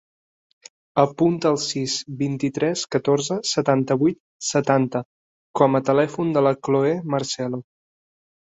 Apunta el sis, vint-i-tres, catorze, setanta-vuit, setanta com a telèfon de la Cloè Marcelo.